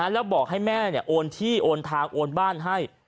แล้วบอกให้แม่โอนที่โอนทางโอนบ้านให้